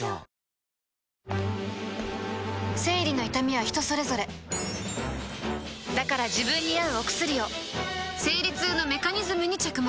生理の痛みは人それぞれだから自分に合うお薬を生理痛のメカニズムに着目